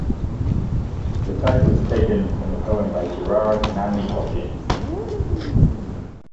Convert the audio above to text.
The title is taken from the poem by Gerard Manley Hopkins.